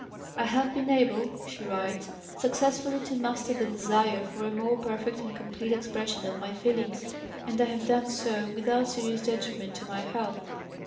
"I have been able," she writes, "successfully to master the desire for a more perfect and complete expression of my feelings, and I have done so without serious detriment to my health."